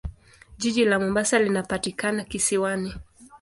Jiji la Mombasa linapatikana kisiwani.